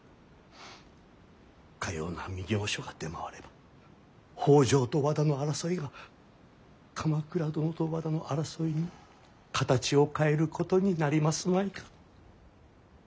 かような御教書が出回れば北条と和田の争いが鎌倉殿と和田の争いに形を変えることになりますまいか。